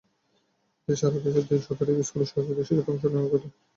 এতে সারা দেশের তিন শতাধিক স্কুলের সহস্রাধিক শিক্ষার্থীর অংশ নেওয়ার কথা।